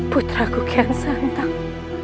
putra kukian santang